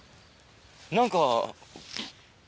何か。